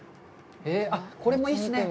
これもいいっすね。